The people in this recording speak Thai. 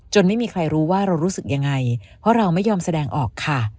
ไม่มีใครรู้ว่าเรารู้สึกยังไงเพราะเราไม่ยอมแสดงออกค่ะ